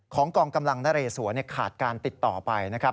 กองกำลังนเรสวนขาดการติดต่อไปนะครับ